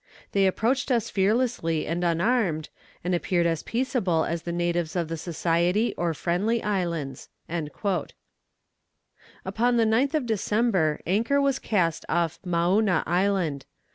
They approached us fearlessly and unarmed, and appeared as peaceable as the natives of the Society or Friendly Islands." Upon the 9th of December anchor was cast off Maouna Island.